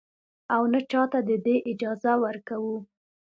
او نـه چـاتـه د دې اجـازه ورکـو.